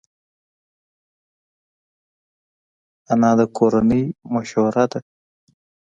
انا د کورنۍ مشوره ده